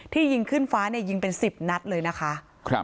ยิงขึ้นฟ้าเนี่ยยิงเป็น๑๐นัดเลยนะคะ